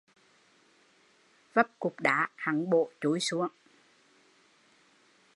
Vấp cục đá, hắn bổ chúi xuống